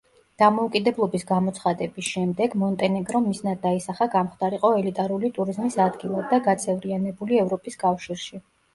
დამოუკიდებლობის გამოცხადების შემდეგ მონტენეგრომ მიზნად დაისახა გამხდარიყო ელიტარული ტურიზმის ადგილად და გაწევრიანებული ევროპის კავშირში.